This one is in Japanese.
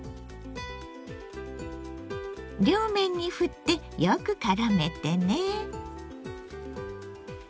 両面にふってよくからめてね。